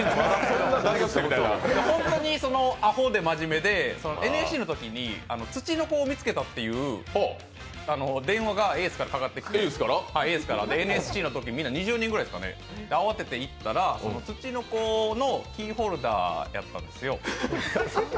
ほんとにあほで真面目でＮＳＣのときにツチノコを見つけたっていう電話がエースから、かかってきてＮＳＣのとき、２０人ぐらいが慌てて行ったら、ツチノコのキーホルダーやったんですよ。